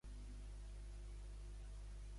Dissabte en Ferran i en Cai van a Aras de los Olmos.